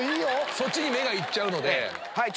そっちに目がいっちゃうので。